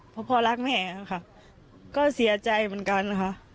เพราะพ่อรักแม่ค่ะก็เสียใจเหมือนกันค่ะ